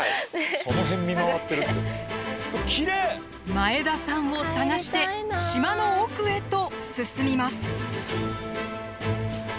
前田さんを捜して島の奥へと進みます。